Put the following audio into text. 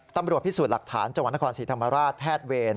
ตำรวจพิสูจน์หลักฐานจังหวัดนครศรีธรรมราชแพทย์เวร